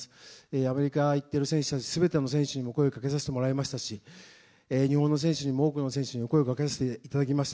アメリカに行っている選手たち、すべての選手たちにも声をかけさせてもらいましたし、日本の選手にも、多くの選手にも声をかけさせていただきました。